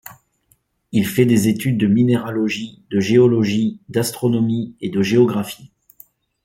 Il fait des études de minéralogie, de géologie, d'astronomie et de géographie.